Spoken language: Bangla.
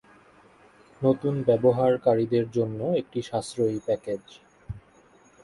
নতুন ব্যবহারকারীদের জন্য একটি সাশ্রয়ী প্যাকেজ।